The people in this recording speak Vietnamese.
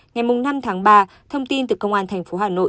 ngày năm tháng ba thông tin từ công an thành phố hà nội